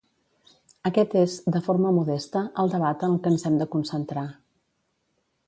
Aquest és, de forma modesta, el debat en el que ens hem de concentrar.